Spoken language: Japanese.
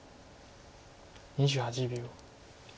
２８秒。